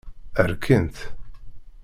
Rkin-t.